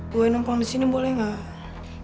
gue nampang di sini boleh gak